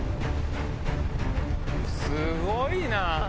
すごいな！